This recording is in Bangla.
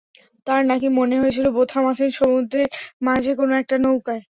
তাঁর নাকি মনে হয়েছিল বোথাম আছেন সমুদ্রের মাঝে কোনো একটা নৌকায়।